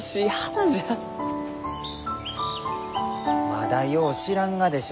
まだよう知らんがでしょう？